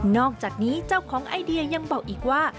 อกจากนี้เจ้าของไอเดียยังบอกอีกว่า